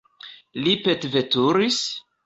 Li petveturis?